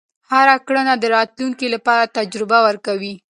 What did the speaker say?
هره کړنه د راتلونکي لپاره تجربه ورکوي.